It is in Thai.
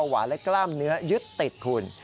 หวานและกล้ามเนื้อยึดติดคุณ